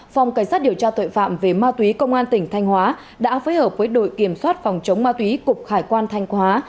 phòng cảnh sát điều tra tội phạm về ma túy công an tỉnh thanh hóa đã phối hợp với đội kiểm soát phòng chống ma túy cục hải quan thanh hóa